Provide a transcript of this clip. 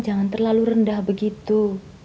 jangan terlalu rendah begitu